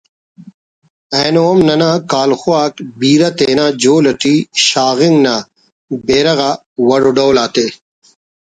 اینو ہم ننا کالخواک بیرہ تینا جول اٹی شاغنگ نا بیرہ غا وڑ ڈول آتے